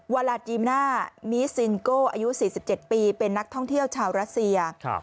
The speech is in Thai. วาลาจีมน่ามีซิงโก้อายุ๔๗ปีเป็นนักท่องเที่ยวชาวรัสเซีย